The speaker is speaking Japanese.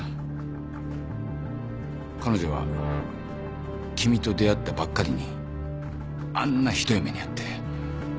彼女は君と出会ったばっかりにあんなひどい目に遭って。